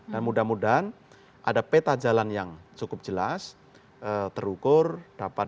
dan mudah mudahan ada peta jalan yang cukup jelas terukur dapat